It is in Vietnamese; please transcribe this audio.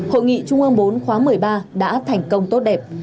hội nghị trung ương bốn khóa một mươi ba đã thành công tốt đẹp